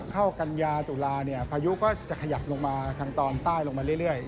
เข้ากันยาตุลาพายุก็จะขยับลงมาทางตอนใต้ลงมาเรื่อย